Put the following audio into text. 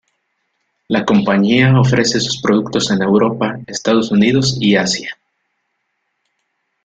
La compañía ofrece sus productos en Europa, Estados Unidos y Asia.